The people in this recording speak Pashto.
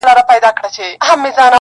چي د ټولو افغانانو هیله ده!!